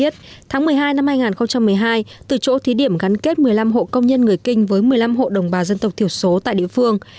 tháng một mươi hai năm hai nghìn một mươi hai từ chỗ thí điểm gắn kết một mươi năm hộ công nhân người kinh với một mươi năm hộ đồng bào dân tộc thiểu số tại địa phương